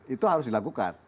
itu harus dilakukan